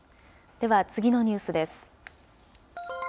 では、次のニュースです。